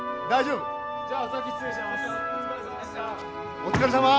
お疲れさま！